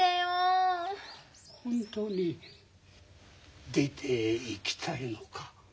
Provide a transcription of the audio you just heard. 本当に出ていきたいのか？